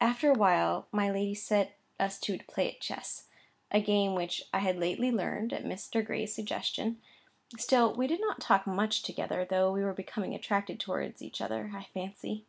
After a while, my lady set us two to play at chess, a game which I had lately learnt at Mr. Gray's suggestion. Still we did not talk much together, though we were becoming attracted towards each other, I fancy.